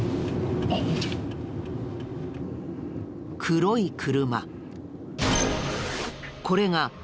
黒い車。